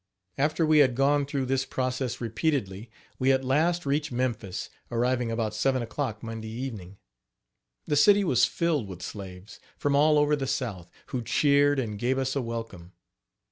After we had gone through this process repeatedly, we at last reached Memphis, arriving about seven o'clock Monday evening. The city was filled with slaves, from all over the south, who cheered and gave us a welcome.